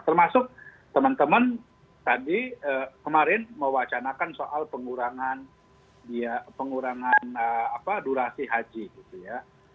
termasuk teman teman tadi kemarin mewacanakan soal pengurangan durasi haji gitu ya